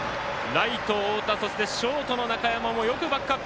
ライト、太田そしてショートの中山もよくバックアップ。